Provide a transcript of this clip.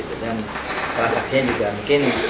dan transaksinya juga mungkin